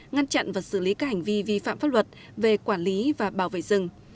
ngăn chặn và xử lý các hành vi vi phạm pháp luật về quản lý và bảo vệ rừng